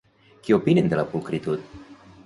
Què opinen de la pulcritud?